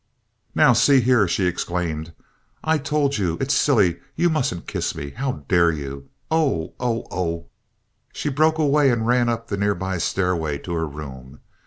"Now, see here!" she exclaimed. "I told you! It's silly! You mustn't kiss me! How dare you! Oh! oh! oh!—" She broke away and ran up the near by stairway to her room.